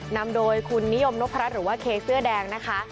นำโดยคุณนิยมนพรัชหรือว่าเคเสื้อแดงนะคะ